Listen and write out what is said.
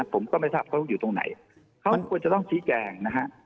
ผมก็ไม่ทราบเขาอยู่ตรงไหนเขาควรจะต้องชี้แจงนะฮะ